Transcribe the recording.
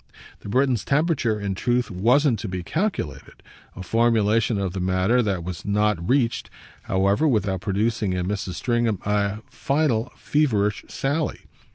The Briton's temperature in truth wasn't to be calculated a formulation of the matter that was not reached, however, without producing in Mrs. Stringham a final feverish sally.